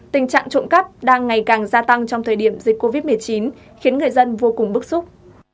tình trạng trộm cắp đang ngày càng gia tăng trong thời điểm dịch covid một mươi chín khiến người dân vô cùng bức xúc